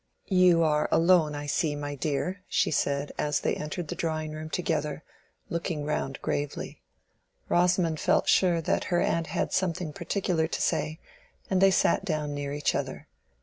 "You are alone, I see, my dear," she said, as they entered the drawing room together, looking round gravely. Rosamond felt sure that her aunt had something particular to say, and they sat down near each other.